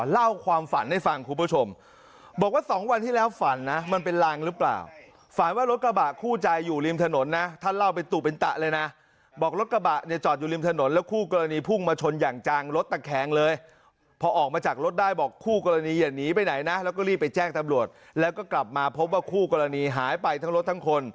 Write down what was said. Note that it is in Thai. ระวังตัวว่าเยอะสิครับขึ้นมาเยอะอีก